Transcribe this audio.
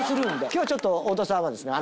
今日はちょっと太田さんはですね。